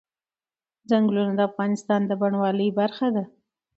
چنګلونه د افغانستان د بڼوالۍ برخه ده.